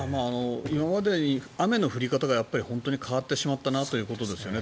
今までよりも雨の降り方がやっぱり本当に変わってしまったということですよね。